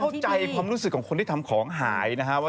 เข้าใจความรู้สึกของคนที่ทำของหายนะฮะว่า